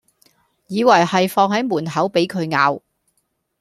以為係放喺門口俾佢咬